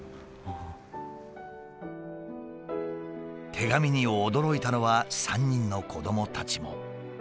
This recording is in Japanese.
手紙に驚いたのは３人の子どもたちも。